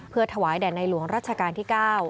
เพื่อถวายแด่ในหลวงรัชกาลที่๙